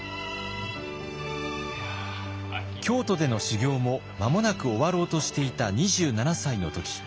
京都での修行も間もなく終わろうとしていた２７歳の時。